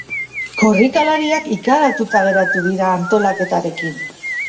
Korrikalariak ikaratuta geratu dira antolaketarekin.